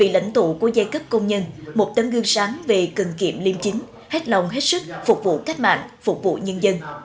lãnh tụ của giai cấp công nhân một tấm gương sáng về cần kiệm liêm chính hết lòng hết sức phục vụ cách mạng phục vụ nhân dân